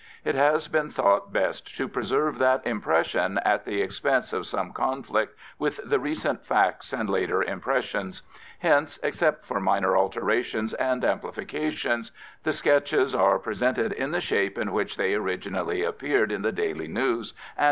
It has been thought best to preserve that impression at the expense of some conflict with the recent facts and later impressions. Hence, except for minor alterations and amplifications, the sketches are 3 Prophets, Priests, and Kings presented in the shape in which they originally appeared.